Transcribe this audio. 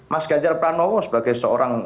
mas ganjar pranowo sebagai seorang